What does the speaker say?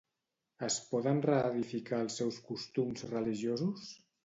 Es poden reedificar els seus costums religiosos?